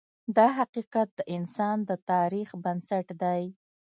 دا حقیقت د انسان د تاریخ بنسټ دی.